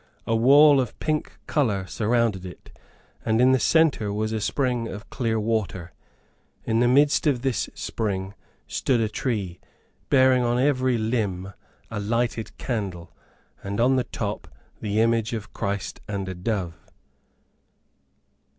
A wall of pink color surrounded it, and in the center was a spring of clear water. In the midst of this spring stood a tree, bearing on every limb a lighted candle, and on the top, the image of Christ and a dove.